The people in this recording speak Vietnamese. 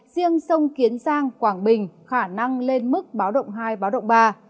riêng sông kiến giang quảng bình khả năng lên mức báo động hai ba